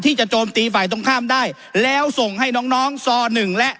โจมตีฝ่ายตรงข้ามได้แล้วส่งให้น้องน้องซอหนึ่งและ